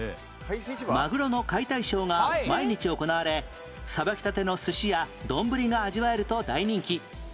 マグロの解体ショーが毎日行われさばきたての寿司やどんぶりが味わえると大人気